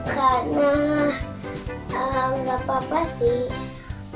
karena gak apa apa sih